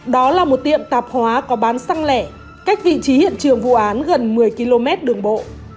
đó là một tiệm tạp hóa có bán xăng lẻ cách vị trí hiện trường vụ án gần một mươi km đường bộ